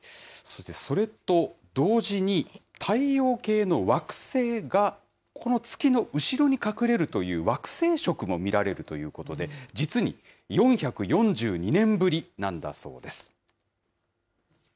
それと同時に、太陽系の惑星が、この月の後ろに隠れるという、惑星食も見られるということで、実に４４２年ぶりなんだそうです。